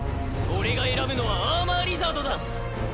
俺が選ぶのはアーマー・リザードだ！